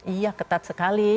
iya ketat sekali